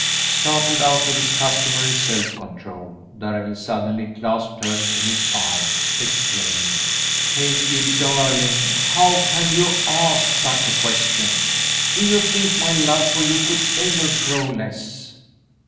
Startled out of his customary self control, Darrell suddenly clasped her in his arms, exclaiming, "Kathie darling, how can you ask such a question? Do you think my love for you could ever grow less?"